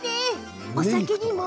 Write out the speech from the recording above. お酒にも？